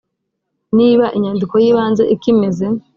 niba inyandiko y ibanze ikimeze